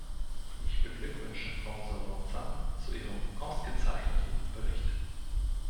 Ich beglückwünsche Frau Sornoza zu ihrem ausgezeichneten Bericht.